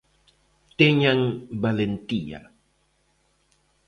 Teñan valentía.